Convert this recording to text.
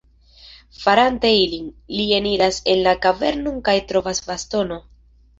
Farante ilin, li eniras en la kavernon kaj trovas bastono.